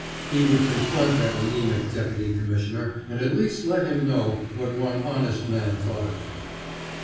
He would confront that anemic Deputy Commissioner and at least let him know what one honest man thought of him.